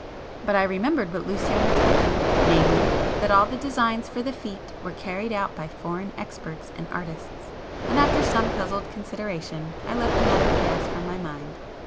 But I remembered what Lucio had told me,—namely, that all the designs for the fête were carried out by foreign experts and artists,—and after some puzzled consideration, I let the matter pass from my mind.